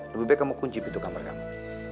sampai kamu kunci pintu kamar kamu